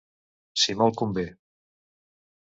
Si molt convé.